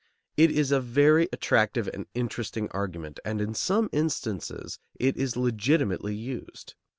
It is a very attractive and interesting argument, and in some instances it is legitimately used.